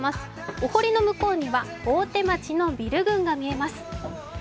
お堀の向こうには大手町のビル群が見えます。